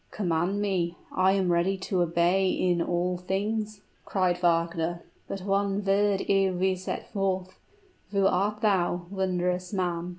"Command me: I am ready to obey in all things," cried Wagner. "But one word ere we set forth who art thou, wondrous man?"